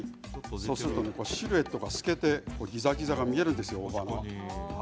そうするとシルエットが透けて見えるんですよ。